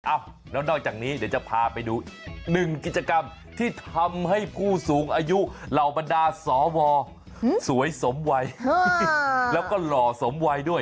แล้วนอกจากนี้เดี๋ยวจะพาไปดูอีกหนึ่งกิจกรรมที่ทำให้ผู้สูงอายุเหล่าบรรดาสวสวยสมวัยแล้วก็หล่อสมวัยด้วย